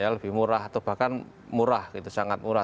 lebih murah atau bahkan murah gitu sangat murah